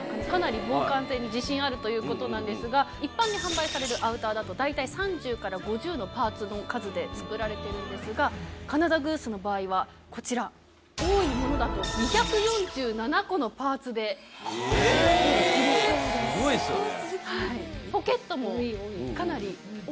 かなり防寒性に自信あるということなんですが、一般に販売されるアウターだと大体３０から５０のパーツの数で作られてるんですが、カナダグースの場合はこちら、多いものだと２４７個のパーツで作られています。